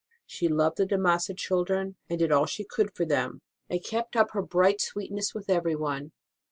She loved the De Massa children and did all she could for them, and kept up her bright sweetness with everyone.